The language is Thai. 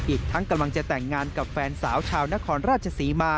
อีกทั้งกำลังจะแต่งงานกับแฟนสาวชาวนครราชศรีมา